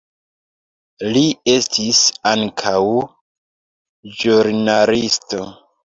Li estis ankaŭ ĵurnalisto.